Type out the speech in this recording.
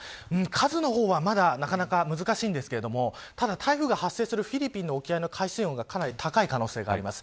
数の方は、まだ、なかなか難しいですがただ台風が発生するフィリピンの海水温が高い可能性があります。